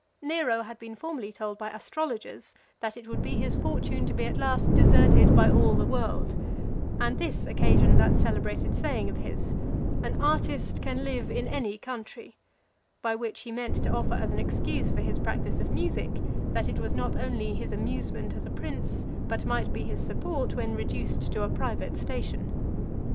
Nero had been formerly told by astrologers, that it would be his fortune to be at last deserted by all the world; and this occasioned that celebrated saying of his, "An artist can live in any country;" by which he meant to offer as an excuse for his practice of music, that it was not only his amusement as a prince, but might be his support when reduced to a private station.